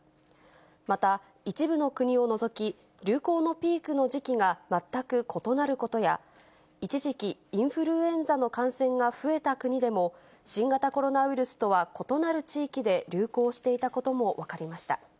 また一部の国を除き、流行のピークの時期が全く異なることや、一時期、インフルエンザの感染が増えた国でも、新型コロナウイルスとは異なる地域で流行していたことも分かりました。